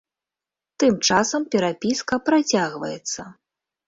Тым часам перапіска працягваецца.